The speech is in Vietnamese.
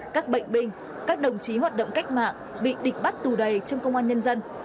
các bệnh binh các đồng chí hoạt động cách mạng bị địch bắt tù đầy trong công an nhân dân